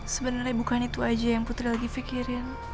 sebenernya bukan itu saja yang putri lagi fikir